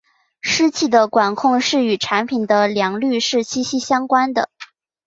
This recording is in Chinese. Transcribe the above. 湿气的管控是与产品的良率是息息相关的。